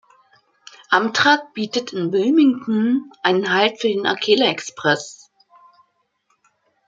Amtrak bietet in Wilmington einen Halt für den Acela Express.